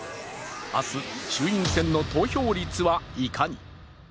明日、衆院選の投票率はいかに。